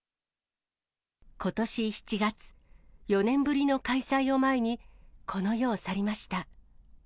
ことし７月、４年ぶりの開催を前に、この世を去りました。